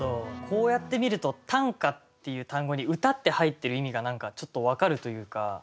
こうやって見ると「短歌」っていう単語に「歌」って入ってる意味が何かちょっと分かるというか。